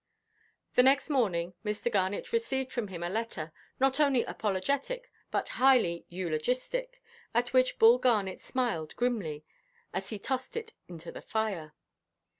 The next morning, Mr. Garnet received from him a letter, not only apologetic, but highly eulogistic, at which Bull Garnet smiled grimly, as he tossed it into the fire.